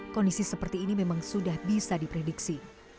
kondisi seperti ini memang sudah bisa diprediksi